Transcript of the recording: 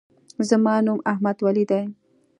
زما نوم احمدولي دی.